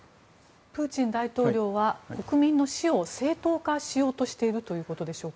プーチン大統領は国民の死を正当化しようとしているということでしょうか？